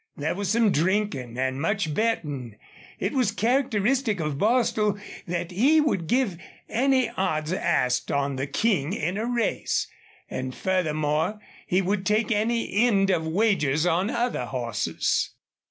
There was some drinking and much betting. It was characteristic of Bostil that he would give any odds asked on the King in a race; and, furthermore, he would take any end of wagers on other horses.